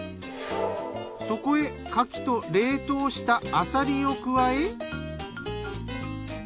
そこへ牡蠣と冷凍したアサリを加え。